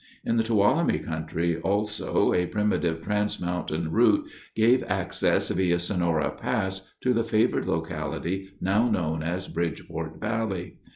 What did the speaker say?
In the Tuolumne country, also, a primitive transmountain route gave access via Sonora Pass to the favored locality now known as Bridgeport Valley.